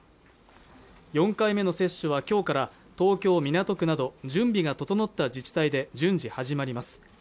４回目の接種はきょうから東京港区など準備が整った自治体で順次始まります